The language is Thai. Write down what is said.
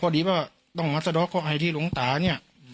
พอดีก็ต้องมาสระเขาเลยที่หลงตาเนี่ย